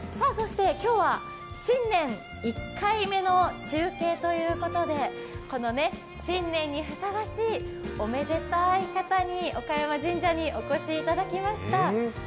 そして今日は新年１回目の中継ということでこの、新年にふさわしいおめでたい方に岡山神社にお越しいただきました。